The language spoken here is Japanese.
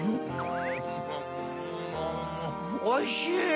おいしい！